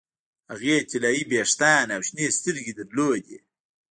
هغې طلايي ویښتان او شنې سترګې درلودې